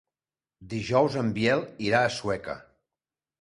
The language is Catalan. Dijous en Biel irà a Sueca.